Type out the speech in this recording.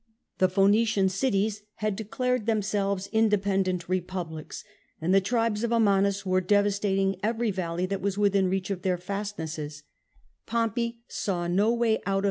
The Pluenician cities had declared themselves independent republic*, s, and the tribes of Amanus were devastating every vall(*y that was within reach of their fastnesses, l^ompey saw no way out of the ^ Ka«tem Cilicui.